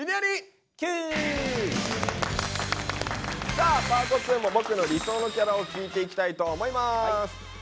さあＰａｒｔ２も「僕の理想のキャラ」を聞いていきたいと思います。